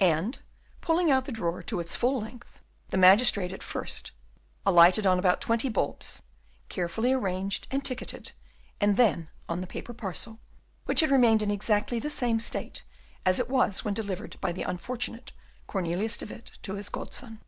And, pulling out the drawer to its full length, the magistrate at first alighted on about twenty bulbs, carefully arranged and ticketed, and then on the paper parcel, which had remained in exactly the same state as it was when delivered by the unfortunate Cornelius de Witt to his godson.